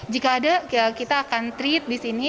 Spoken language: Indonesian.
jika ada kita akan treat di sini